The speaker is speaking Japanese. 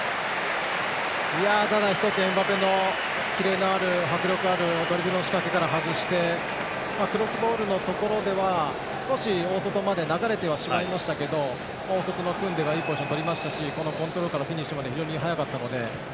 エムバペのキレのある迫力あるドリブルの仕掛けから外してクロスボールのところでは少し、大外まで流れてはしまいましたけど大外のクンデがいいポジションをとりましたしコントロールからフィニッシュまで非常に速かったので。